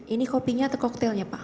ini kopinya atau koktelnya pak